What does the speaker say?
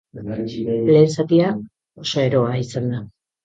Lehen zatia oso eroa izan da.